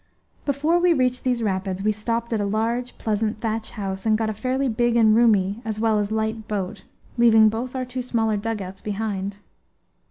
Before we reached these rapids we stopped at a large, pleasant thatch house, and got a fairly big and roomy as well as light boat, leaving both our two smaller dugouts behind.